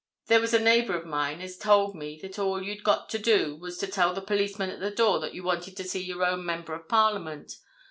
There was a neighbour of mine as had told me that all you'd got to do was to tell the policeman at the door that you wanted to see your own Member of Parliament.